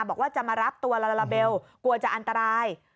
บอกว่าจะมารับตัวลาลาเบลกลัวจะอันตราย